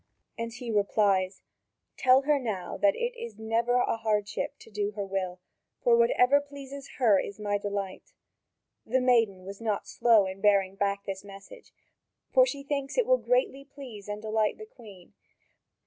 And he replies: "Tell her now that it is never a hardship to do her will, for whatever pleases her is my delight." The maiden was not slow in bearing back this message, for she thinks it will greatly please and delight the Queen.